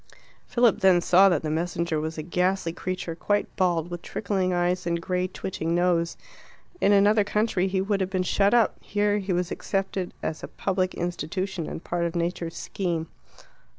Philip then saw that the messenger was a ghastly creature, quite bald, with trickling eyes and grey twitching nose. In another country he would have been shut up; here he was accepted as a public institution, and part of Nature's scheme.